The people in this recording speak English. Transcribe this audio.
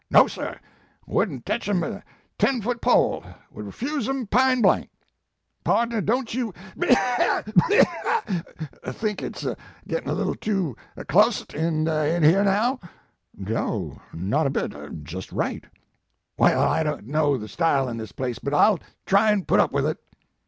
"No sir, wouldn t tech em with a ten foot pole would refuse em pine blank. Podner, don t you wah, hoo, wah, hoo think it s a gettin a little too clost in here now?" "No, not a bit, just right." "Well, I don t know the style in this place, but I ll try an put up with it.